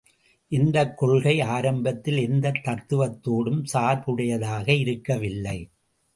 இந்தக் கொள்கை, ஆரம்பத்தில் எந்தத் தத்துவத்தோடும் சார்புடையதாக இருக்கவில்லை.